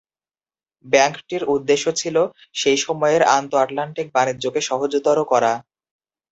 ব্যাংকটির উদ্দেশ্য ছিল সেই সময়ের আন্তঃআটলান্টিক বাণিজ্যকে সহজতর করা।